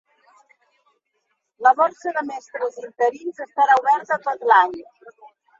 La borsa de mestres interins estarà oberta tot l'any.